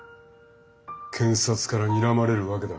検察からにらまれるわけだ。